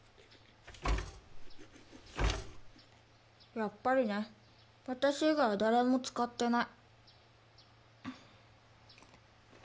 やっぱりね私以外は誰も使ってない。